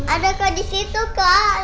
ada kak disitu kak